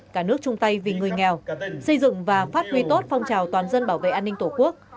cả nước chung tay vì người nghèo xây dựng và phát huy tốt phong trào toàn dân bảo vệ an ninh tổ quốc